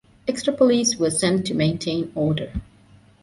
Extra police were sent to maintain order.